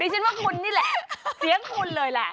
ฉันว่าคุณนี่แหละเสียงคุณเลยแหละ